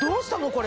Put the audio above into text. これ。